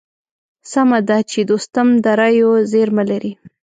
سمه ده چې دوستم د رايو زېرمه لري.